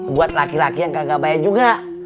buat laki laki yang kagak baik juga